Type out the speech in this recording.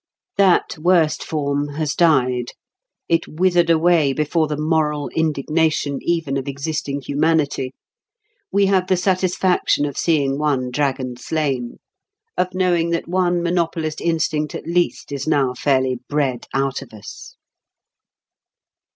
That worst form has died. It withered away before the moral indignation even of existing humanity. We have the satisfaction of seeing one dragon slain, of knowing that one monopolist instinct at least is now fairly bred out of us.